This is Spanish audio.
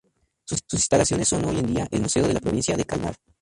Sus instalaciones son hoy en día el Museo de la Provincia de Kalmar.